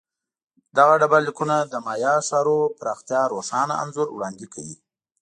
دغه ډبرلیکونه د مایا ښارونو پراختیا روښانه انځور وړاندې کوي